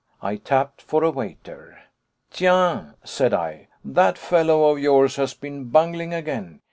I tapped for a waiter. "Tiens," said I, "that fellow of yours has been bungling again.